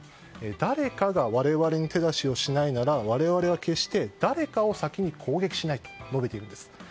誰かが我々に手出しをしないなら我々は決して誰かを先に攻撃しないと述べているんです。